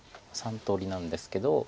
３通りなんですけど。